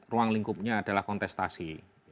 ruang lingkupnya adalah kontestasi